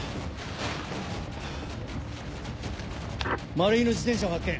マルヒの自転車を発見。